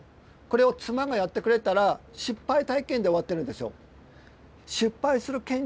これを妻がやってくれたら失敗体験で終わってるんですよ。